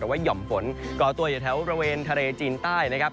แต่ว่าห่อมฝนก่อตัวอยู่แถวบริเวณทะเลจีนใต้นะครับ